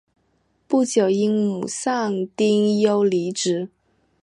不久因母丧丁忧离职。